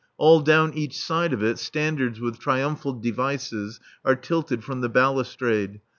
All down each side of it, standards with triumphal devices are tilted from the balustrade.